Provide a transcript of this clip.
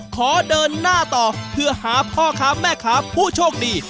ขอเดินหน้าต่อเพื่อหาพ่อค้าแม่ค้าผู้โชคดี